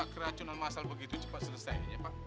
masa keracunan masal begitu cepet selesainya pak